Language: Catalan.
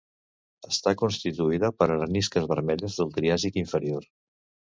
Està constituïda per arenisques vermelles del triàsic inferior.